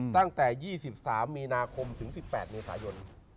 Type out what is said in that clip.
ตั้งแต่๒๓มีนาคมถึง๑๘มีศาลยนต์